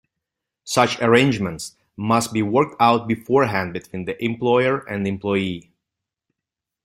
Such arrangements must be worked out beforehand between the employer and employee.